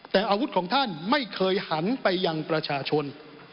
แต่อาวุธของท่านไม่เคยหันไปยังประชาชน